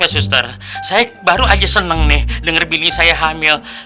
saya baru aja seneng nih denger billy saya hamil